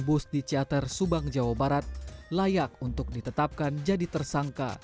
bus di ciater subang jawa barat layak untuk ditetapkan jadi tersangka